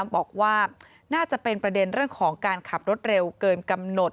บอกว่าน่าจะเป็นประเด็นเรื่องของการขับรถเร็วเกินกำหนด